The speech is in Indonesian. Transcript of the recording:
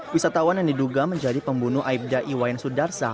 wisatawan yang diduga menjadi pembunuh aibda iwayan sudarsa